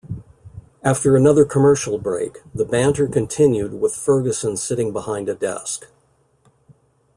After another commercial break, the banter continued with Ferguson sitting behind a desk.